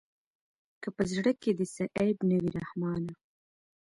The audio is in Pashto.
که په زړه کښې دې څه عيب نه وي رحمانه.